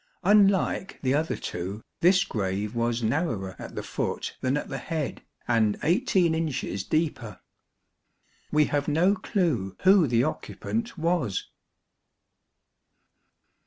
Unlike the other two, this grave was narrower at the foot than at the head, and 18 inches deeper. We have no clue who the occupant was.